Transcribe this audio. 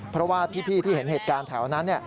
เพราะว่าพี่ที่เห็นเหตุการณ์แถวนั้น